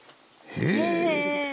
へえ。